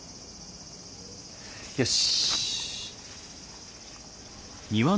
よし。